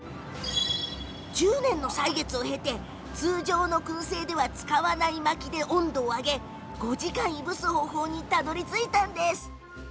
１０年の歳月を経て通常のくん製では使わないまきで温度を上げ５時間いぶす方法にたどりついたのです。